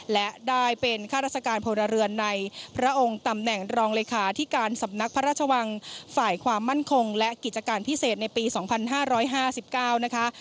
และได้เป็นข้าราชการพลเรือนในพระองค์ตำแหน่งรองเลขาที่การสำนักพระราชวังฝ่ายความมั่นคงและกิจการพิเศษในปี๒๕๕๙นะคะ